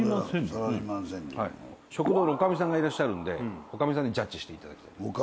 食堂のおかみさんがいらっしゃるんでおかみさんにジャッジしていただくという。